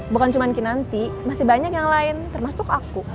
bukan cuma kinanti masih banyak yang lain termasuk aku